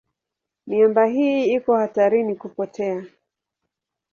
Miamba hii iko hatarini kupotea.